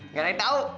nggak ada yang tahu